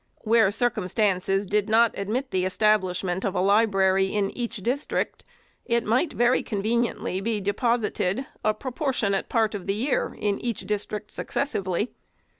Where cir cumstances did not admit the establishment of a library in each district, it might very conveniently be deposited a proportionate part of the year in each district succes sively.